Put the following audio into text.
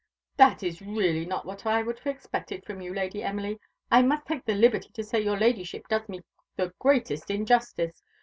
"That is really not what I would have expected from you, Lady Emily. I must take the liberty to say your Ladyship does me the greatest injustice.